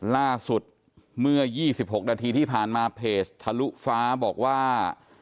ล่าสุดเมื่อ๒๖นาทีที่ผ่านมาเพจทะลุฟ้าบอกว่า